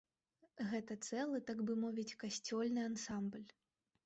Гэта цэлы, так бы мовіць, касцёльны ансамбль.